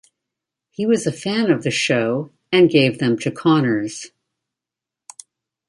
He was a fan of the show and gave them to Connors.